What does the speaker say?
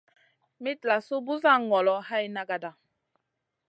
Mitlasou busa ŋolo hay nagata.